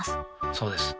そうです。